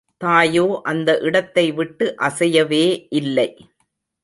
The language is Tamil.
தாயோ அந்த இடத்தை விட்டு அசையவே இல்லை.